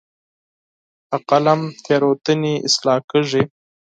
په قلم تیروتنې اصلاح کېږي.